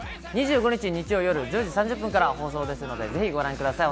２５日、日曜、夜１０時３０分から放送ですので、ぜひご覧ください。